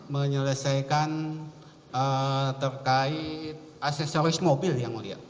menyelesaikan terkait aksesoris mobil yang mulia